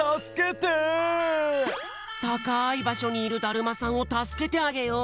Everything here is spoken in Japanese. たかいばしょにいるだるまさんをたすけてあげよう！